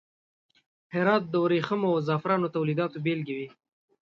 د هرات د وریښمو او زغفرانو تولیداتو بیلګې وې.